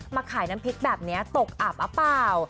มาขายน้ำพริกแบบนี้ตกอับหรือเปล่า